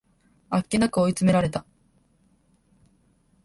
あっけなく追い詰められた